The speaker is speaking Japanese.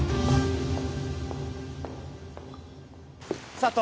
佐都。